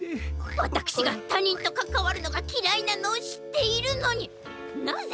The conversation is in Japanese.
わたくしがたにんとかかわるのがきらいなのをしっているのになぜ！？